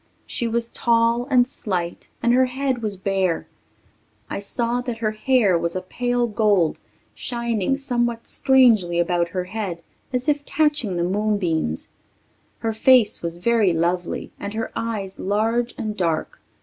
She was tall and slight and her head was bare. I saw that her hair was a pale gold, shining somewhat strangely about her head as if catching the moonbeams. Her face was very lovely and her eyes large and dark.